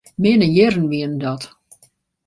Minne jierren wienen dat.